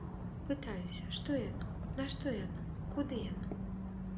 Пытаюся, што яно, нашто яно, куды яно.